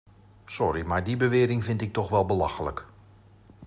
Sorry, maar die bewering vind ik toch wel belachelijk.